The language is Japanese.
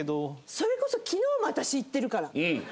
それこそ昨日も私行ってるから！